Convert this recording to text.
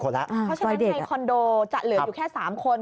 เพราะฉะนั้นในคอนโดจะเหลืออยู่แค่๓คน